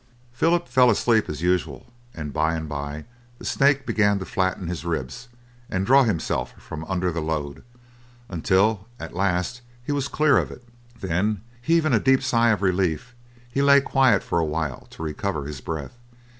Philip fell asleep as usual, and by and by the snake began to flatten his ribs, and draw himself from under the load, until at last he was clear of it; then, heaving a deep sigh of relief he lay quiet for awhile to recover his breath.